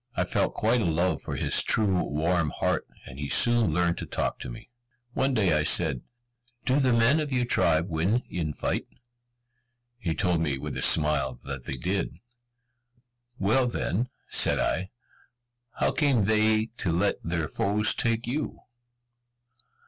I felt quite a love for his true, warm heart, and he soon learnt to talk to me. One day I said, "Do the men of your tribe win in fight?" He told me, with a smile, that they did. "Well, then," said I, "How came they to let their foes take you?"